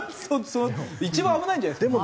それ一番危ないんじゃないですか？